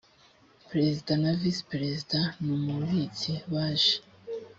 perezida na visi perezida n ‘umubitsi baje.